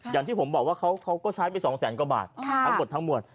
อย่างที่ผมบอกว่าเขาก็ใช้ไป๒๐๐๐๐๐กว่าบาทครับครับทั้งหมดทั้งหมด